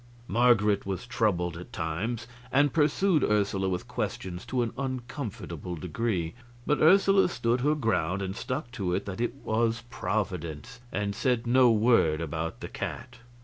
Marget was troubled at times, and pursued Ursula with questions to an uncomfortable degree; but Ursula stood her ground and stuck to it that it was Providence, and said no word about the cat.